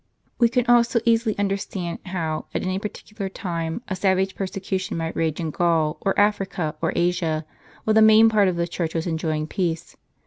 We can also easily understand how, at any particular time, a savage persecution might rage in Gaul, or Africa, or Asia, while the main part of the Church was enjoying peace.